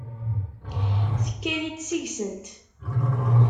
Tekka-yi-d seg-sent.